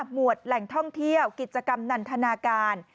หวดแหล่งท่องเที่ยวกิจกรรมนันทนาการ